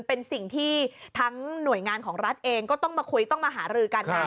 เป็นสิ่งที่ทั้งหน่วยงานของรัฐเองก็ต้องมาคุยต้องมาหารือกันนะ